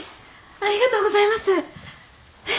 ありがとうございます。